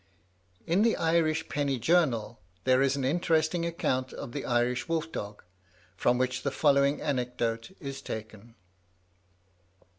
In the "Irish Penny Journal" there is an interesting account of the Irish wolf dog, from which the following anecdote is taken.